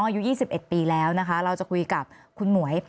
อายุ๒๑ปีแล้วนะคะเราจะคุยกับคุณหมวย